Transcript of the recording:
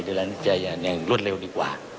เวลาน้ำใจอย่างรวดเร็วดีกว่า